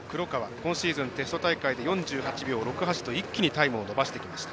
今シーズン、テスト大会で４８秒６８と一気にタイムを伸ばしてきました。